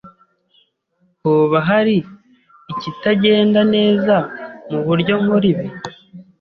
Hoba hari ikitagenda neza muburyo nkora ibi?